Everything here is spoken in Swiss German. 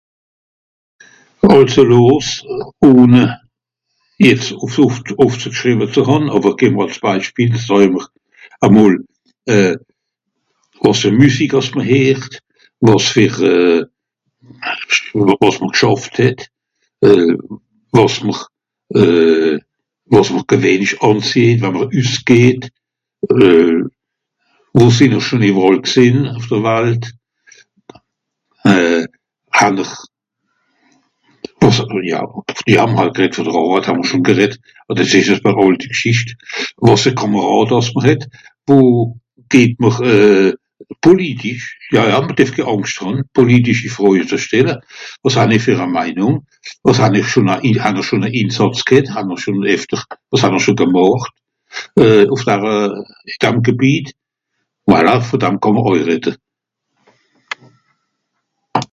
Àlso los ! Ohne jetz ùff...ùffzeschriwe ze hàn àwer gän mr Beispiel, ìch sàà ìmmer a mol. Euh...wàs fer Müsik àss mr heert, wàs fer euh... wàs mr gschàfft het, euh... was mr, euh... wàs mr gewìhnlich ànzéit, wa'mr üssgeht, euh... wo sìnn'r schon ìwweràl gsìnn, ùff de Walt ? Euh... ha-n-r...pff... ja... vùn de Àrweit hàà'mr schùn gereddt, àwer dìs ìsch (...) Gschìcht. Wàs fer Kàmàràd àss mr het. Wo geht mr... euh... politisch. Ja, ja mr derf kén Àngscht hàn, politischi Froj ze stelle. Wàs han'r fer e Meinùng ? Wàs han'r... schon a... han ìhr schon a instàtz ghet ? han'r schon éfter... wàs hàn'r schon gemàcht ? ùff dare... ìn dam Gebiet. Voilà vùn dam kà'mr àll redde.